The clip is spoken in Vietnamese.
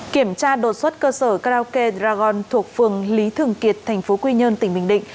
kiểm tra đột xuất cơ sở karaoke dragon thuộc phường lý thường kiệt thành phố quy nhơn tỉnh bình định